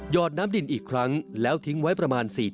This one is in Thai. อดน้ำดินอีกครั้งแล้วทิ้งไว้ประมาณ๔๐